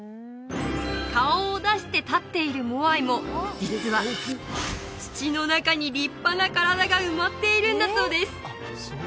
顔を出して立っているモアイも実は土の中に立派な体が埋まっているんだそうです